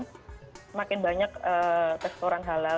semakin banyak restoran halal